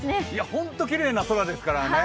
本当にきれいな空ですからね。